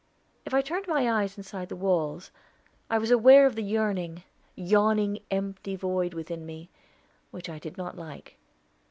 If I turned my eyes inside the walls, I was aware of the yearning, yawning empty void within me, which I did not like.